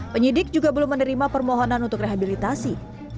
penyidik juga belum menerima permohonan untuk rehabilitasi